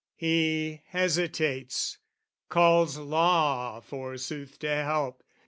He hesitates, calls law forsooth to help.